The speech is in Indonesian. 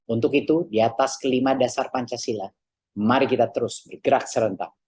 untuk itu di atas kelima dasar pancasila mari kita terus bergerak serentak